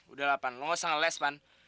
udah lah pan lu gak usah ngeles pan